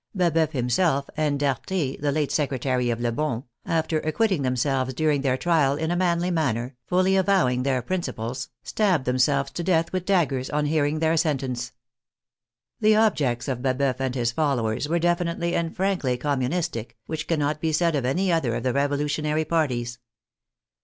Babceuf himself, and Darthe, the late sec retary of Lebon, after acquitting themselves during their trial in a manly manner, fully avowing their principles, stabbed themselves to death with daggers on hearing their sentence. The objects of Baboeuf and his followers were definitely and frankly communistic, which cannot be said of any other of the revolutionary parties.